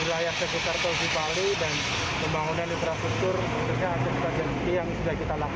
wilayah sekitar tol cipali dan pembangunan infrastruktur